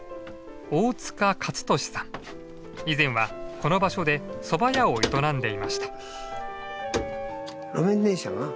以前はこの場所でそば屋を営んでいました。